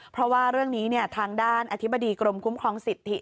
เพราะว่าเรื่องนี้ทางด้านอธิบดีกรมคุ้มครองสิทธิ